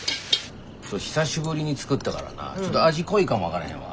久しぶりに作ったからなちょっと味濃いかも分からへんわ。